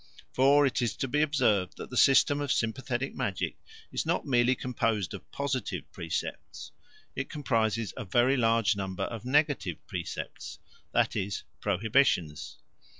For it is to be observed that the system of sympathetic magic is not merely composed of positive precepts; it comprises a very large number of negative precepts, that is, prohibitions.